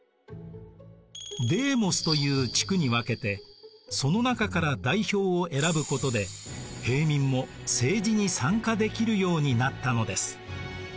「デーモス」という地区に分けてその中から代表を選ぶことで平民も政治に参加できるようになったのです。